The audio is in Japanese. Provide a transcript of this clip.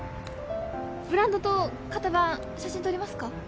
ブランドと型番写真撮りますか？